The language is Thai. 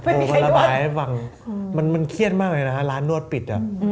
ออกมาระบายให้ฟังมันเครียดมากเลยนะฮะร้านนวดปิด